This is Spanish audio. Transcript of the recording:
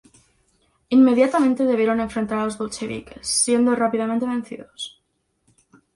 Inmediatamente debieron enfrentar a los bolcheviques, siendo rápidamente vencidos.